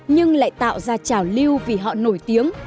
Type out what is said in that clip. nhưng lại tạo ra trào lưu vì họ nổi tiếng